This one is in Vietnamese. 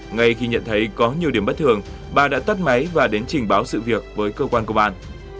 ngay khi nhận thấy có nhiều điểm bất thường bà đã tắt máy và đến trình báo sự việc với cơ quan công an